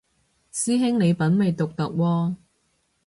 師兄你品味獨特喎